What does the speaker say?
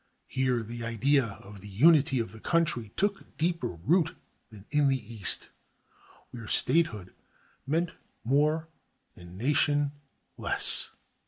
Here the idea of the unity of the country took deeper root than in the East, where statehood meant more and nation less.